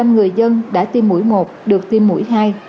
một trăm linh người dân đã tiêm mũi một được tiêm mũi hai